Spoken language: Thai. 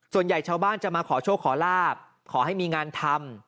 ส่วนใหญ่ชาวบ้านจะมาขอโชคขอลาบขอให้มีงานทำ